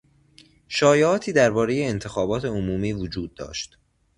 شایعاتی دربارهی انتخابات عمومی وجود داشت.